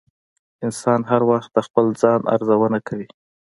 انسان هر وخت د خپل ځان ارزونه کوي.